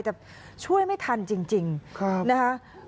แต่ช่วยไม่ทันจริงนะคะ